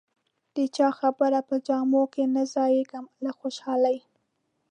د چا خبره په جامو کې نه ځایېږم له خوشالۍ.